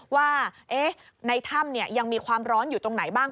ว่าในถ้ำยังมีความร้อนอยู่ตรงไหนบ้าง